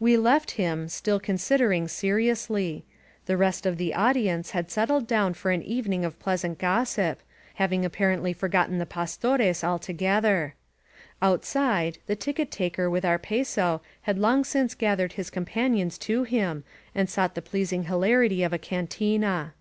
We left him, still considering seriously ; the rest of the audience had settled down for an eyemng of pleas ant gossip, having apparently forgotten the Pastores altogether. Outside, the ticket taker with our peso had long since gathered his companions to him and sought the pleasing hilarity of a cantina.